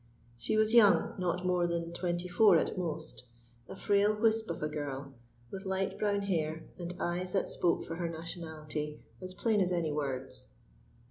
She was young not more than twenty four at most, a frail wisp of a girl, with light brown hair and eyes that spoke for her nationality as plain as any words.